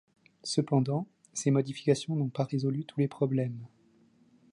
Cependant, ces modifications n'ont pas résolu tous les problèmes.